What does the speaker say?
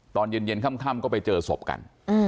ตอนเย็นค่ำก็ไปเจอศพกัน